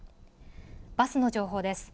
バスの情報です。